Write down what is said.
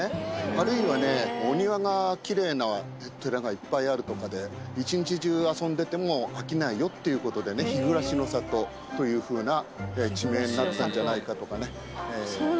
あるいはねお庭が奇麗な寺がいっぱいあるとかで一日中遊んでても飽きないよっていうことでね日暮らしの里というふうな地名になったんじゃないかとかね。